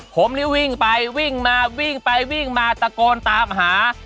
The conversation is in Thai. ผมนี่วิ่งไปวิ่งมาวิ่งไปวิ่งมาตะโกนตามหา